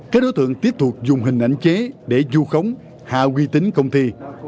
các đối tượng tiếp tục dùng hình ảnh chế để vu khống hạ quy tính công ty